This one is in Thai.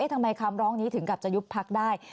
ทำไมคำร้องนี้ถึงกับจะยุบพักได้